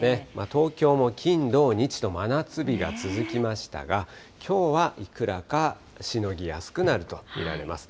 東京も金、土、日と真夏日が続きましたが、きょうはいくらかしのぎやすくなると見られます。